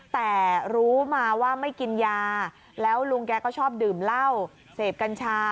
แต่รู้มาว่าไม่กินยาแล้วลุงแกก็ชอบดื่มเหล้าเสพกัญชา